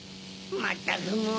まったくもう。